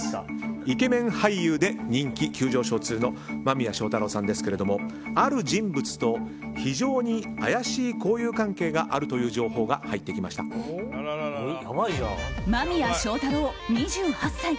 イケメン俳優で人気急上昇中の間宮祥太朗さんですがある人物と非常に怪しい交友関係があるという情報が間宮祥太朗、２８歳。